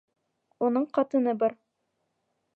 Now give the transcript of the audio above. Уның ҡатыны бар.